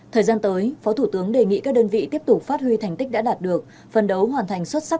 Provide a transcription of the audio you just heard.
thời gian tới phó thủ tướng đề nghị các đơn vị tiếp tục phát huy thành tích đã đạt được phân đấu hoàn thành xuất sắc